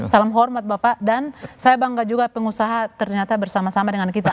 salam hormat bapak dan saya bangga juga pengusaha ternyata bersama sama dengan kita